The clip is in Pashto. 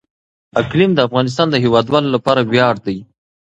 اقلیم د افغانستان د هیوادوالو لپاره ویاړ دی.